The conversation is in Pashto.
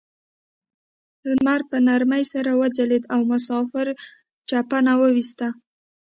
لمر په نرمۍ سره وځلید او مسافر چپن وویسته.